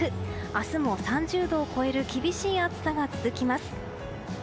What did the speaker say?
明日も３０度を超える厳しい暑さが続きます。